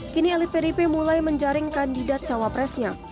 kini elit pdip mulai menjaring kandidat cawapresnya